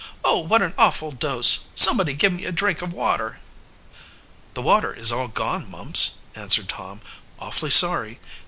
"Oh, what an awful dose! Somebody give me a drink of water." "The water is all gone, Mumps," answered Tom. "Awfully sorry.